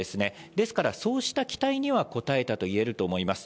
ですから、そうした期待には応えたといえると思います。